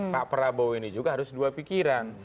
pak prabowo ini juga harus dua pikiran